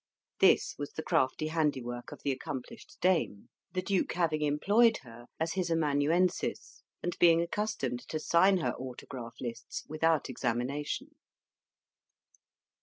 This was the crafty handiwork of the accomplished dame; the duke having employed her as his amanuensis, and being accustomed to sign her autograph lists without examination.